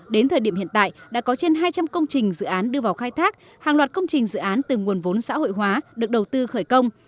đến thời điểm hiện tại đã có trên hai trăm linh công trình dự án đưa vào khai thác hàng loạt công trình dự án từ nguồn vốn xã hội hóa được đầu tư khởi công